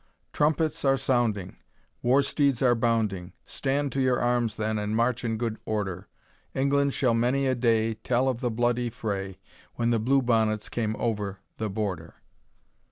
Trumpets are sounding, War steeds are bounding, Stand to your arms then, and march in good order; England shall many a day Tell of the bloody fray, When the Blue Bonnets came over the Border!